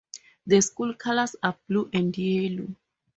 The school colors are blue and yellow.